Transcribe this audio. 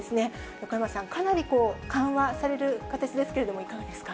横山さん、かなり緩和される形ですけれども、いかがですか。